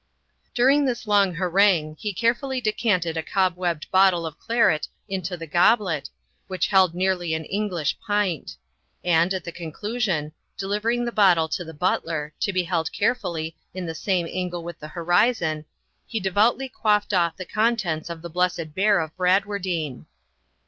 During this long harangue, he carefully decanted a cob webbed bottle of claret into the goblet, which held nearly an English pint; and, at the conclusion, delivering the bottle to the butler, to be held carefully in the same angle with the horizon, he devoutly quaffed off the contents of the Blessed Bear of Bradwardine.